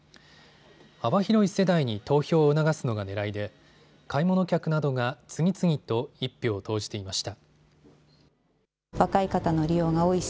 幅広い世代に投票を促すのがねらいで買い物客などが次々と１票を投じていました。